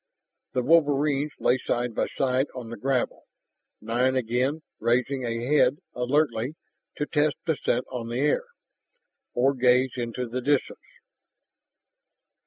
The wolverines lay side by side on the gravel, now and again raising a head alertly to test the scent on the air, or gaze into the distance.